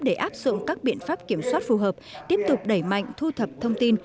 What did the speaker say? để áp dụng các biện pháp kiểm soát phù hợp tiếp tục đẩy mạnh thu thập thông tin